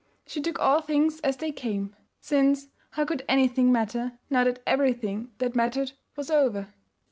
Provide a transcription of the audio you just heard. She took all things as they came, since how could anything matter now that everything that mattered was over?